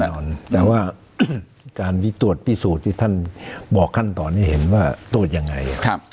แต่ว่าการวิตรวจพิสูจน์ที่ท่านบอกขั้นตอนให้เห็นว่าตรวจยังไง